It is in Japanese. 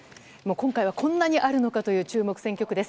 今回はこんなにあるのかという注目選挙区です。